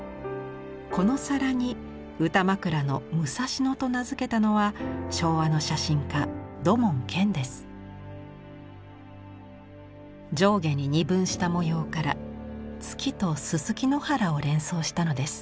この皿に歌枕の「武蔵野」と名付けたのは昭和の上下に二分した模様から月とすすき野原を連想したのです。